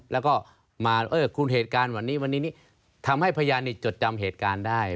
แล้วก็มาเออคุณเหตุการณ์วันนี้วันนี้ทำให้พยานจดจำเหตุการณ์ได้